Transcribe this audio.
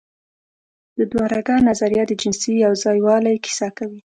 د دوهرګه نظریه د جنسي یوځای والي کیسه کوي.